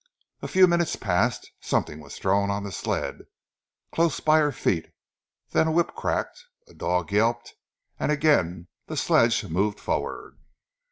A few minutes passed, something was thrown on the sled, close by her feet, then a whip cracked, a dog yelped, and again the sledge moved forward.